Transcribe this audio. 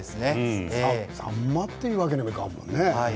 さんまというわけにはいかんもんね。